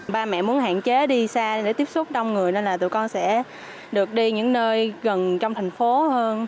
ba mẹ muốn hạn chế đi xa để tiếp xúc đông người nên là tụi con sẽ được đi những nơi gần trong thành phố hơn